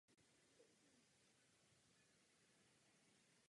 Narodil se v Rokytnici v Čechách.